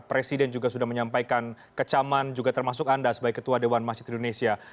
presiden juga sudah menyampaikan kecaman juga termasuk anda sebagai ketua dewan masjid indonesia